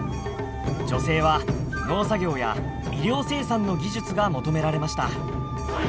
女性は農作業や衣料生産の技術が求められました。